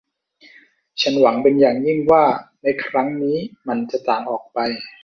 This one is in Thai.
ฉันหวังเป็นอย่างยิ่งว่าในครั้งนี้มันจะต่างออกไป